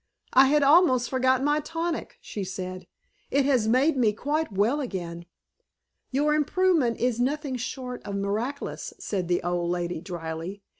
"I had almost forgotten my tonic," she said. "It has made me quite well again." "Your improvement is nothing short of miraculous," said the old lady drily.